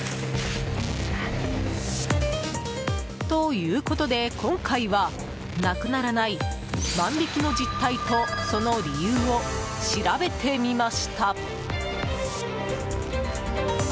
ということで、今回はなくならない万引きの実態とその理由を調べてみました。